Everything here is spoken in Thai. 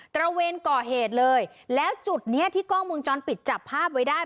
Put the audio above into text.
ระเวนก่อเหตุเลยแล้วจุดเนี้ยที่กล้องมุมจรปิดจับภาพไว้ได้